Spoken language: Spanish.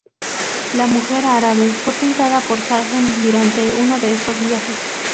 La "mujer árabe" fue pintada por Sargent durante uno de estos viajes.